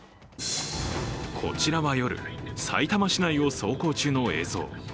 こちらは夜、さいたま市内を走行中の映像。